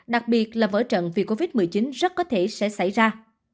đặc biệt là vỡ trận vì covid một mươi chín rất có thể sẽ xảy ra